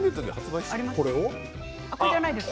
これじゃないですか？